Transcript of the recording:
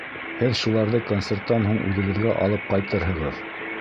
Һеҙ шуларҙы концерттан һуң үҙегеҙгә алып ҡайтырһығыҙ.